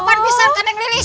tidak bisa adeng lilis